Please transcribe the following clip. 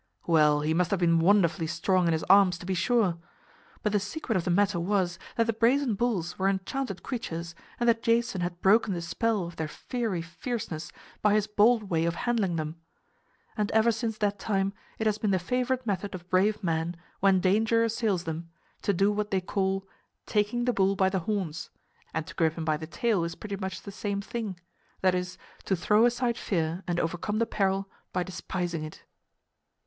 Well, he must have been wonderfully strong in his arms, to be sure! But the secret of the matter was that the brazen bulls were enchanted creatures and that Jason had broken the spell of their fiery fierceness by his bold way of handling them. And ever since that time it has been the favorite method of brave men, when danger assails them, to do what they call "taking the bull by the horns"; and to grip him by the tail is pretty much the same thing that is, to throw aside fear and overcome the peril by despising it.